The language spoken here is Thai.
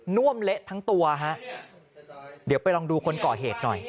่วมเละทั้งตัวฮะเดี๋ยวไปลองดูคนก่อเหตุหน่อย